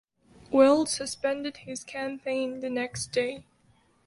Weld suspended his campaign the next day.